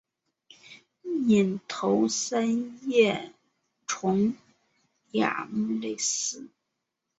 隐头三叶虫亚目类似。